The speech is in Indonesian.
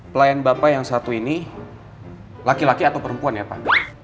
pelayan bapak yang satu ini laki laki atau perempuan ya pak